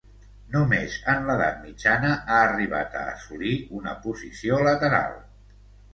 Només en l'edat mitjana ha arribat a assolir una posició lateral.